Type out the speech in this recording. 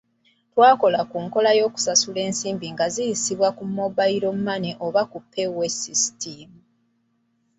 Twakola ku nkola y’okusasula ensimbi nga ziyisibwa ku mobile money oba Payway system.